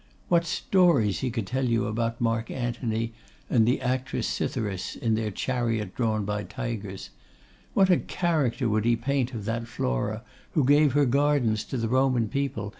What stories he would tell you about Marc Antony and the actress Cytheris in their chariot drawn by tigers! What a character would he paint of that Flora who gave her gardens to the Roman people!